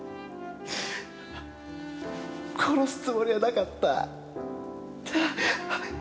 殺すつもりはなかった。